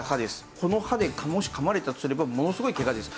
この歯でもし噛まれたとすればものすごいケガです。